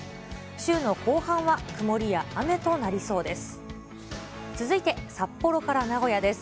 週の後半は曇りや雨となりそうです。